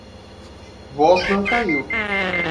Voz não caiu